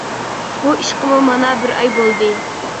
بۇ ئىشقىمۇ مانا بىر ئاي بولدى.